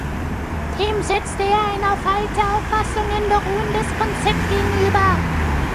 Dem setzte er ein auf alte Auffassungen beruhendes Konzept gegenüber.